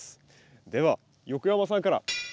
では横山さんから。